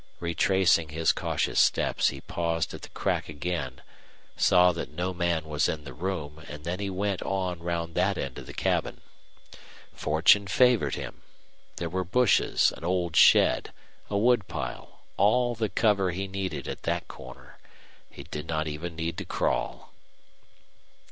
Retracing his cautious steps, he paused at the crack again, saw that no man was in the room, and then he went on round that end of the cabin. Fortune favored him. There were bushes, an old shed, a wood pile, all the cover he needed at that corner. He did not even need to crawl.